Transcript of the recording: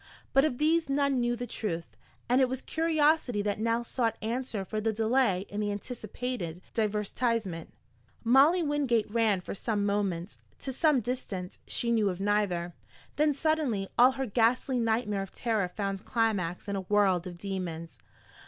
But of these none knew the truth, and it was curiosity that now sought answer for the delay in the anticipated divertisement. Molly Wingate ran for some moments, to some distance she knew of neither. Then suddenly all her ghastly nightmare of terror found climax in a world of demons.